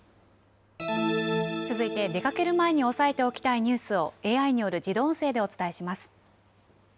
続いて出かける前に押さえておきたいニュースを、ＡＩによる自動音声でお伝えします。